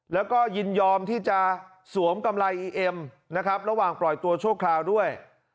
แล้วก็ยินยอมที่จะสวมกำไรอีเอ็มนะครับระหว่างปล่อยตัวชั่วคราวด้วย